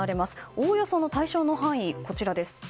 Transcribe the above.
おおよその対象の範囲がこちら。